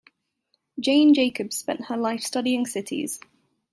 Jane Jacobs spent her life studying cities.